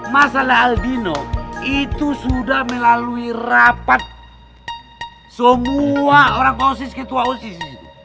masalah al dino itu sudah melalui rapat semua orang ke osis ketua osis